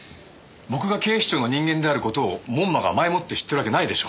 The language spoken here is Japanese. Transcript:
僕が警視庁の人間である事を門馬が前もって知っているわけないでしょ。